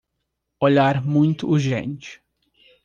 Olhar muito urgente